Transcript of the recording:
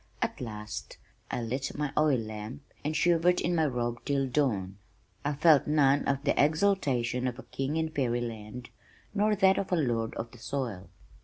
At last I lit my oil lamp and shivered in my robe till dawn. I felt none of the exultation of a "king in fairyland" nor that of a "lord of the soil."